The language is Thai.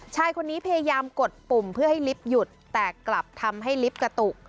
ชายคนนี้พยายามกดปุ่มเพื่อให้ลิฟต์หยุดแต่กลับทำให้ลิฟต์กระตุก